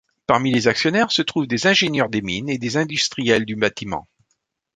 Parmi les actionnaires se trouvent des ingénieurs des Mines et des industriels du bâtiment.